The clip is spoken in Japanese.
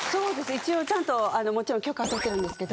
一応ちゃんともちろん許可は取ってるんですけど。